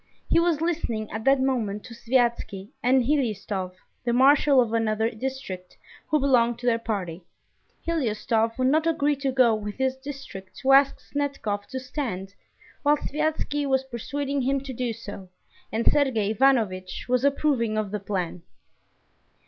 He was listening at that moment to Sviazhsky and Hliustov, the marshal of another district, who belonged to their party. Hliustov would not agree to go with his district to ask Snetkov to stand, while Sviazhsky was persuading him to do so, and Sergey Ivanovitch was approving of the plan.